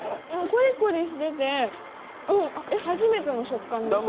コリコリしてて初めての食感です。